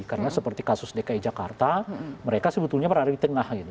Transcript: karena seperti kasus dki jakarta mereka sebetulnya pernah di tengah gitu